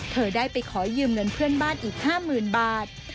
เธอได้ไปขอยืมเงินเพื่อนบ้านอีก๕๐๐๐บาท